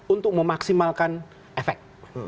untuk memaksimalkan efek